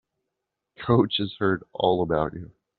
Coach has heard all about you.